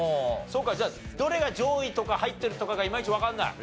そうかじゃあどれが上位とか入ってるとかがいまいちわかんない？